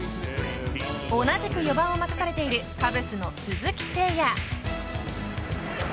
同じく４番を任されているカブスの鈴木誠也。